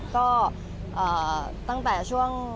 ก็ตั้งแต่ช่วง